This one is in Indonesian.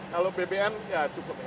dan bbm nya cukup hemat ya